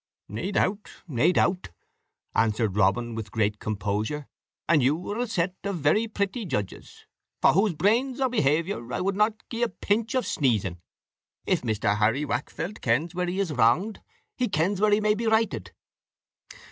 "Nae doubt nae doubt," answered Robin, with great composure; "and you are a set of very pretty judges, for whose prains or pehaviour I wad not gie a pinch of sneeshing. If Mr. Harry Waakfelt kens where he is wranged, he kens where he may be righted."